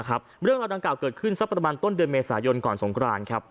เรื่องราวดังกล่าเกิดขึ้นสักประมาณต้นเดือนเมษายนก่อนสงคราน